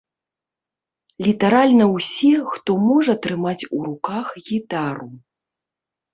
Літаральна ўсе, хто можа трымаць у руках гітару.